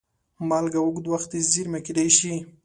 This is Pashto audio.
مالګه اوږد وخت زېرمه کېدای شي.